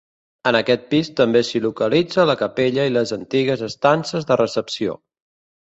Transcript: En aquest pis també s'hi localitza la capella i les antigues estances de recepció.